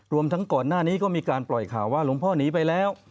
รวมทั้งก่อนหน้านี้ก็มีการปล่อยข่าวว่าหลวงพ่อหนีไปแล้ว